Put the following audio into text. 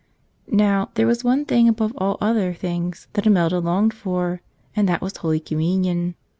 Now, there was one thing above all other things that Imelda longed for, and that was Holy Communion.